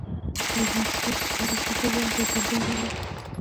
خو د مېلمستیا تر پای ته رسېدو وړاندې بدلون راغی